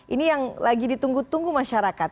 ini yang lagi ditunggu tunggu masyarakat